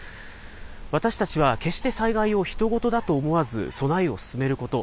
私たちは決して災害をひと事だと思わず、備えを進めること。